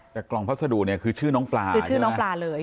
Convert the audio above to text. แต่กล่องพัสดุเนี่ยคือชื่อน้องปลาคือชื่อน้องปลาเลย